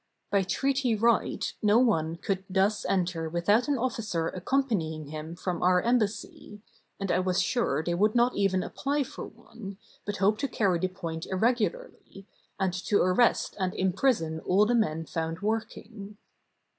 By treaty right, no one could thus enter without an officer accompanying him from our embassy; and I was sure they would not even apply for one, but hope to carry the point irregularly, and to arrest and imprison all the men found working.